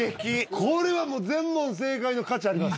これはもう全問正解の価値あります